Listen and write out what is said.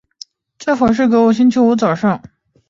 最好是给我在星期五早上